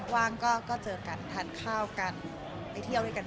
ว่างก็เจอกันทานข้าวกันไปเที่ยวด้วยกัน